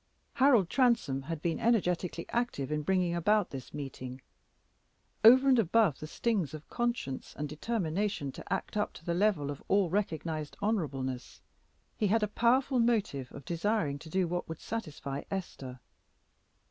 Harold Transome had been energetically active in bringing about this meeting. Over and above the stings of conscience and a determination to act up to the level of all recognized honorableness, he had the powerful motive of desiring to do what would satisfy Esther.